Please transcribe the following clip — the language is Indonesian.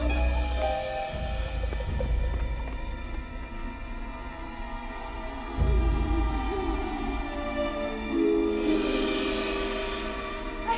aku mau pergi